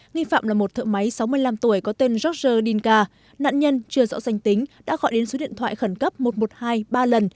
nghi phạm là một thợ máy sáu mươi năm tuổi có tên jorge dinka nạn nhân chưa rõ danh tính đã gọi đến số điện thoại khẩn cấp một trăm một mươi hai ba lần